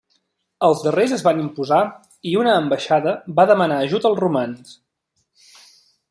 Els darrers es van imposar i una ambaixada va demanar ajut als romans.